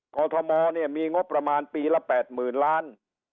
กรทมเนี่ยมีงบประมาณปีละ๘๐๐๐ล้าน